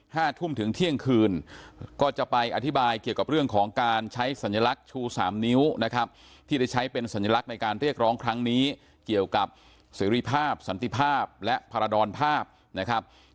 ห้าทุ่มถึงเที่ยงคืนก็จะไปอธิบายเกี่ยวกับเรื่องของการใช้สัญลักษณ์ชูสามนิ้วนะครับ